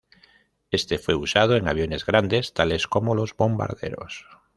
Este fue usado en aviones grandes, tales como los bombarderos.